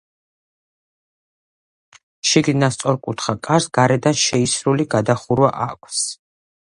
შიგნიდან სწორკუთხა კარს გარედან შეისრული გადახურვა აქვს.